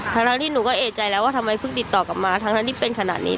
ทั้งที่หนูก็เอกใจแล้วว่าทำไมเพิ่งติดต่อกลับมาทั้งที่เป็นขนาดนี้